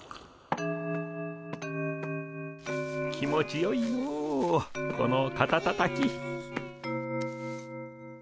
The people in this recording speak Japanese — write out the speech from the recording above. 気持ちよいのこの肩たたき。